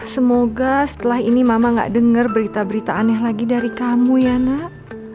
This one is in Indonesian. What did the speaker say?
semoga setelah ini mama gak dengar berita berita aneh lagi dari kamu ya nak